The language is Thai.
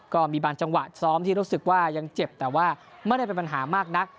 ก็มีบางจังหวะซ้อมที่รู้สึกว่ายังเจ็บแต่ว่าไม่ได้เป็นปัญหามากนัก